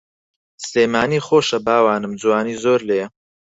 سلێمانی خۆشە باوانم جوانی زۆر لێیە